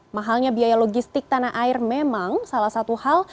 mahalnya biaya logistik tanah air memang salah satu hal